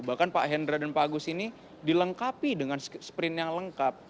bahkan pak hendra dan pak agus ini dilengkapi dengan sprint yang lengkap